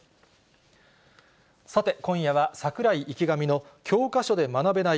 さて、今夜は櫻井、池上の教科書で学べない